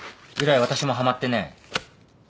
以来私もはまってね。